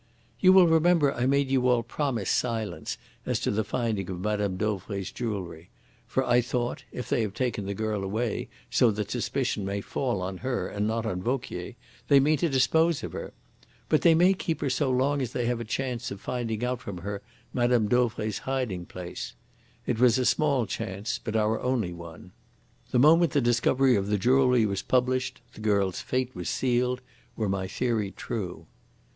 "You will remember I made you all promise silence as to the finding of Mme. Dauvray's jewellery. For I thought, if they have taken the girl away so that suspicion may fall on her and not on Vauquier, they mean to dispose of her. But they may keep her so long as they have a chance of finding out from her Mme. Dauvray's hiding place. It was a small chance but our only one. The moment the discovery of the jewellery was published the girl's fate was sealed, were my theory true.